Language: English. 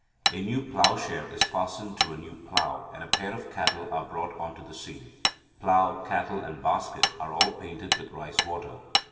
A new ploughshare is fastened to a new plough, and a pair of cattle are brought onto the scene. Plough, cattle, and basket, are all painted with rice water.